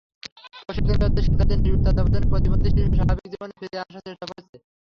প্রশিক্ষণপ্রাপ্ত শিক্ষকদের নিবিড় তত্ত্বাবধানে প্রতিবন্ধী শিশুরা স্বাভাবিক জীবনে ফিরে আসার চেষ্টা করছে।